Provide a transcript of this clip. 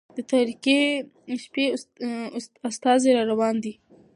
د تاريكي شپې استازى را روان دى